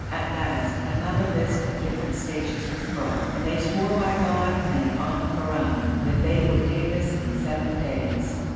At last another list of different stages was brought, and they swore by God and upon the Koran that they would take us in seven days.